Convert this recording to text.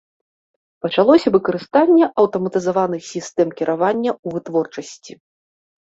Пачалося выкарыстанне аўтаматызаваных сістэм кіравання ў вытворчасці.